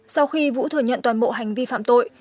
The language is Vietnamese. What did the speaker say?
sau khi vũ thừa nhận toàn bộ hành vi phạm tội